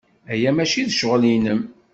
Aya maci d ccɣel-nnem.